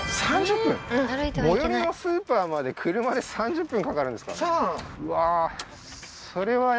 最寄りのスーパーまで車で３０分かかるんですか？